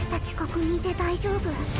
ここにいて大丈夫？